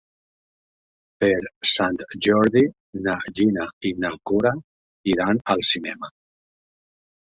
Per Sant Jordi na Gina i na Cora iran al cinema.